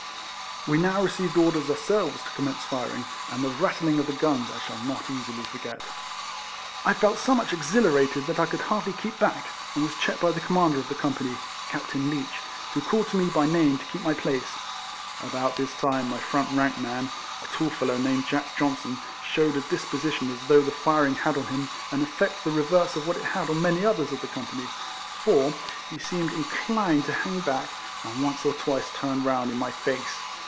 "We now received orders ourselves to commence firin<?, and the rattling of the guns I shall not easily forget. I felt so much exhilarated that I could hardly keep back, and was checked by the Commander of the company (Capt. Leech), who called to me by name to keep my place. About this time, my front rank man, a tall fellow named Jack Johnson, shewed a dis position as though the firing had on him an effect the reverse of what it had on many others of the company, for he seemed in clined to hang back, and once or twice turned round in my face.